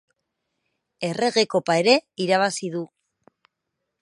Errege Kopa ere irabazi du.